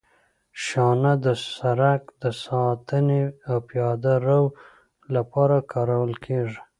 شانه د سرک د ساتنې او پیاده رو لپاره کارول کیږي